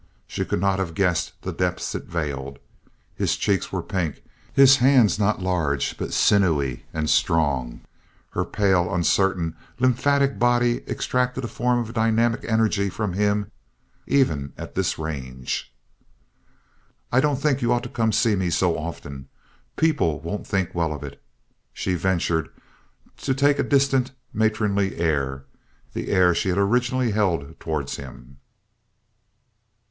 She could not have guessed the depths it veiled. His cheeks were pink, his hands not large, but sinewy and strong. Her pale, uncertain, lymphatic body extracted a form of dynamic energy from him even at this range. "I don't think you ought to come to see me so often. People won't think well of it." She ventured to take a distant, matronly air—the air she had originally held toward him.